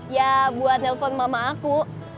ya buat nelfon mama aku